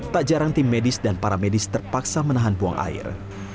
tak jarang tim medis dan para medis terpaksa menahan buang air